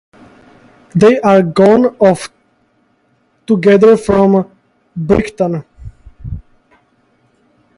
They are gone off together from Brighton.